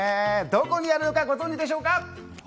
どこにあるのかご存知でしょうか？